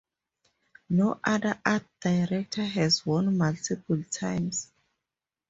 No other art director has won multiple times.